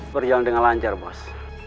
berjalan dengan lancar bos